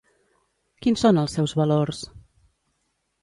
Quins són els seus valors?